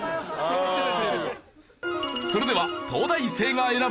それでは東大生が選ぶ！